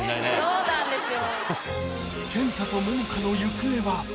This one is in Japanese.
そうなんですよ。